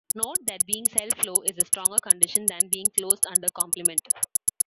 Note that being self-low is a stronger condition than being closed under complement.